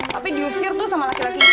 tapi diusir tuh sama laki laki